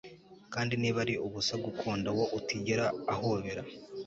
Kandi niba ari ubusa gukunda uwo utigera ahobera